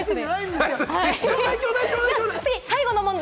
では最後の問題。